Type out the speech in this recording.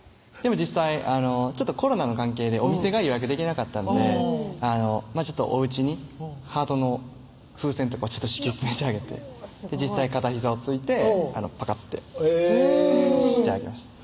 実際コロナの関係でお店が予約できなかったんでおうちにハートの風船とかを敷き詰めてあげて実際片ひざをついてパカッてしてあげました